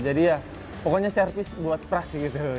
jadi ya pokoknya service buat pras gitu